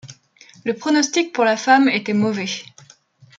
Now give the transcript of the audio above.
Le pronostic pour la femme était mauvais.